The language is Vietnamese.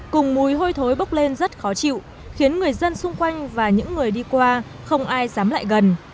cùng mùi hôi thối bốc lên rất khó chịu khiến người dân xung quanh và những người đi qua không ai dám lại gần